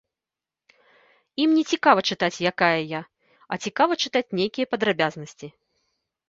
Ім не цікава чытаць, якая я, а цікава чытаць нейкія падрабязнасці.